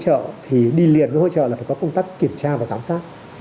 và hỗ trợ thì đi liền với hỗ trợ là phải có công tác kiểm tra và giám sát